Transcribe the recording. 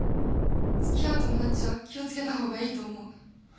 付き合う友達は気を付けた方がいいと思う。